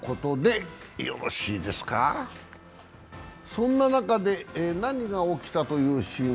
そんな中で何が起きたというシーン。